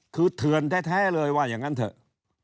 คือเถื่อนแท้เลยว่าอย่างนั้นเถอะ